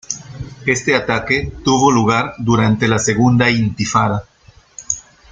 Este ataque tuvo lugar durante la Segunda Intifada.